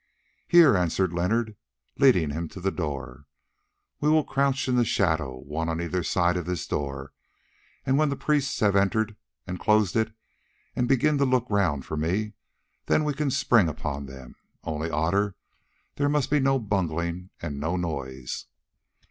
"Here," answered Leonard, leading him to the door. "We will crouch in the shadow, one on either side of this door, and when the priests have entered and closed it, and begin to look round for me, then we can spring upon them. Only, Otter, there must be no bungling and no noise."